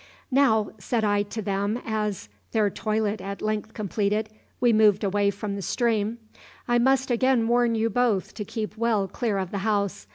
"Now," said I to them as, their toilet at length completed, we moved away from the stream, "I must again warn you both to keep well clear of the house.